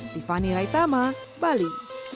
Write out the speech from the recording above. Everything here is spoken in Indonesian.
tiffany raitama bali